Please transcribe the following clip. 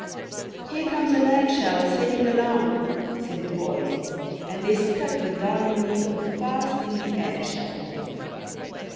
"Here comes an egg shell sailing along!" said the boys; and they stuck the Darning needle fast in the egg shell.